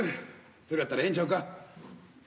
それやったらええんちゃうか？